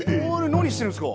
何してるんすか。